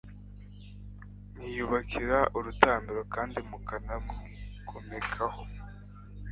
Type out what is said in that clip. mwiyubakira urutambiro kandi mukanamwigomekaho